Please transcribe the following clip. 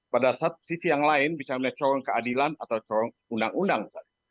pada saat sisi yang lain bicara corong keadilan atau co undang undang